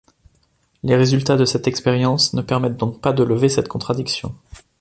Les résultats de cette expérience ne permettent donc pas de lever cette contradiction.